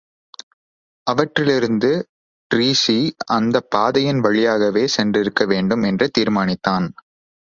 அவற்றிலிருந்து டிரீஸி அந்தப் பாதையின் வழியாகவே சென்றிருக்கவேண்டும் என்று தீர்மானித்தான்.